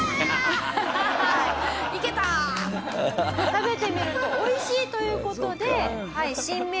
食べてみると美味しいという事で。